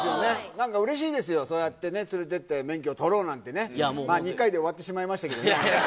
なんかうれしいですよ、そうやってね、連れてって、免許取ろうなんてね、２回で終わってしまいましたけどね。